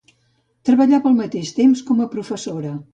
Treballava al mateix temps com a professora.